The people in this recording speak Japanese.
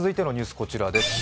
こちらです。